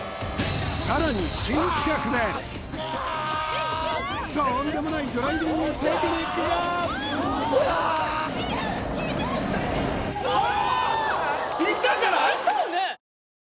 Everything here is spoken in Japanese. さらに新企画でとんでもないドライビングテクニックが！うわ！ああ！